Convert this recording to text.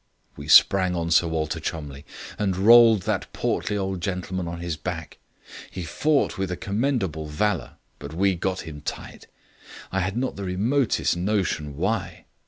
We sprang on Sir Walter Cholmondeliegh, and rolled that portly old gentleman on his back. He fought with a commendable valour, but we got him tight. I had not the remotest notion why.